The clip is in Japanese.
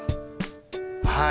はい。